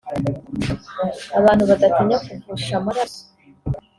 Abantu badatinya kuvusha amaraso